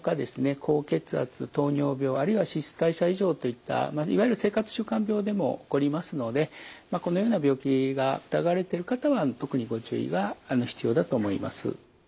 高血圧糖尿病あるいは脂質代謝異常といったいわゆる生活習慣病でも起こりますのでこのような病気が疑われている方は特にご注意が必要だと思います。